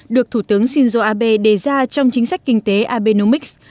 được thủ tướng shinzo abe đề ra trong chính sách kinh tế abenomics